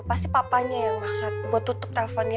pasti papanya yang maksa buat tutup teleponnya